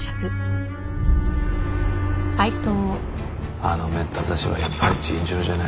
あのメッタ刺しはやっぱり尋常じゃない。